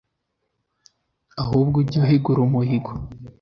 ahubwo ujye uhigura umuhigo